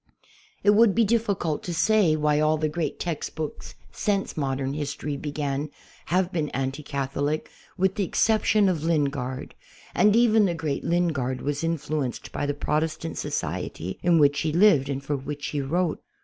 It would be difficult to say why all the great text books since modern history began have been anti Catholic, with the exception of Lingard, and even the great Lin gard was influenced by the Protestant society in which he lived and for which he wrote.